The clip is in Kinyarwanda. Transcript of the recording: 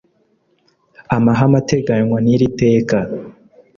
Amahame ateganywa n iri teka